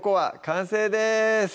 完成です